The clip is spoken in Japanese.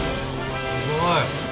すごい！